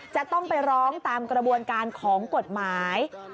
จะต้องไปร้องตามกระบวนการของกฎหมาย